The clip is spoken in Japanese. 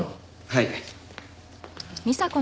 はい。